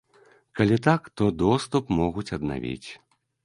Калі так, то доступ могуць аднавіць.